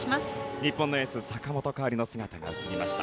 日本のエース坂本花織の姿が映りました。